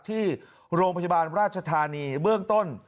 ที่โรงพยาบาลราชธานีเบื้องต้น